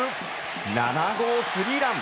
７号スリーラン。